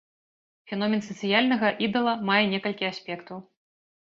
Феномен сацыяльнага ідала мае некалькі аспектаў.